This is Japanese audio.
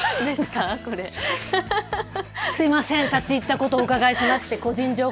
すいません、立ち入ったことをお聞きして。